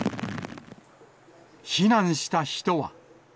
避難した人は。